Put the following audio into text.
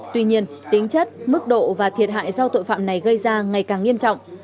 tuy nhiên tính chất mức độ và thiệt hại do tội phạm này gây ra ngày càng nghiêm trọng